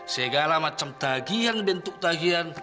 segala macam tagian bentuk tagian